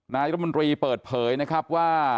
นายรมนตรีเปิดเผยนะครับว่า